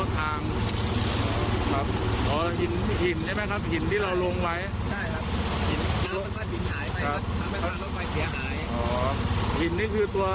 ตอนนี้ก็ต้องรอน้ำรถก่อนส่วนแสงได้ใช่ไหมครับ